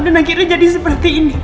akhirnya jadi seperti ini